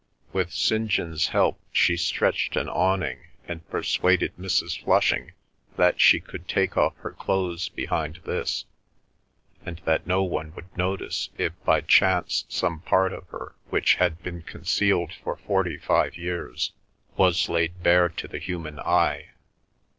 With St. John's help she stretched an awning, and persuaded Mrs. Flushing that she could take off her clothes behind this, and that no one would notice if by chance some part of her which had been concealed for forty five years was laid bare to the human eye.